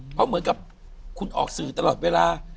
เพราะเหมือนกับคุณออกสื่อตลอดเวลา